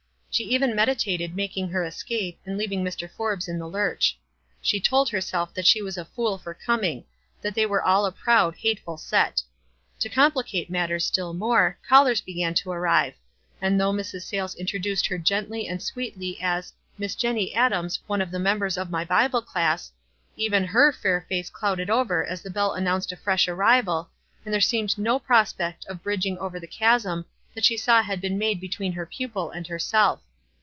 She even meditated making her escape, and leaving Mr. Forbes in the lurch. She told herself that she was a fool for coming — that they were all a proud, hateful set. To complicate matters still more, callers began to arrive ; and though Mrs. Sayles introduced her gently and sweetly as " Miss Jenny Adams, one of the members of my Bible class," even her fair face clouded over as the bell announced a fresh arrival, and there seemed no prospect of bridging over the chasm that she saw had been made between her pupil and herself.